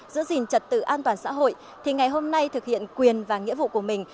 giữ gìn trật tự an toàn xã hội thì ngày hôm nay thực hiện quyền và nghĩa vụ của mình